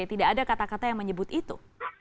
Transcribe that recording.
tidak ada kata kata yang menyebut itu